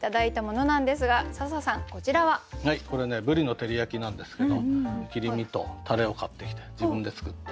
はいこれねブリの照り焼きなんですけど切り身とタレを買ってきて自分で作って。